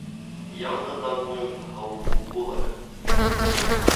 Янғындан һуң һыу күп булыр.